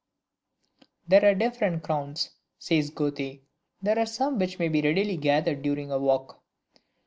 "There are different crowns," says Goethe, "there are some which may be readily gathered during a walk."